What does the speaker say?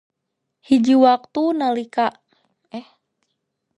Hiji waktu nalika